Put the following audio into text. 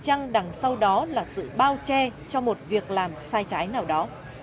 chắc chắn đằng sau đó là sự bao che cho một việc làm sai trái nào đó